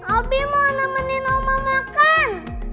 obi mau nemenin oma makan